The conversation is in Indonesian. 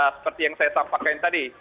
seperti yang saya sampaikan tadi